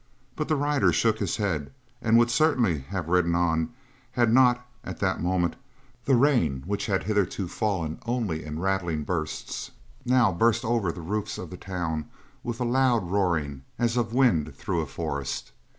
But the rider shook his head and would certainly have ridden on had not, at that moment, the rain which had hitherto fallen only in rattling bursts, now burst over the roofs of the town with a loud roaring as of wind through a forest.